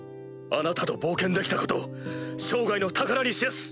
あなたと冒険できたこと生涯の宝にしやす！